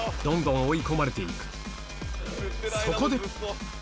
どんどん追い込まれて行くそこで！